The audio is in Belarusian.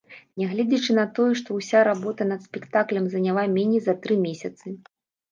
Нягледзячы на тое, што ўся работа над спектаклем заняла меней за тры месяцы.